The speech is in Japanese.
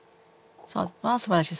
ああすばらしい。